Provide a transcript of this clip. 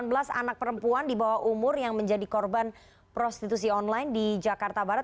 oke bu elvina ada delapan belas anak perempuan dibawah umur yang menjadi korban prostitusi online di jakarta barat